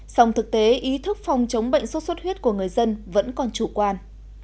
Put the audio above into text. sông thực tế ý thức phòng chống bệnh sốt xuất huyết của người dân vẫn còn trụ quan